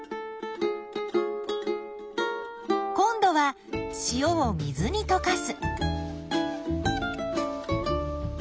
今度は塩を水にとかす。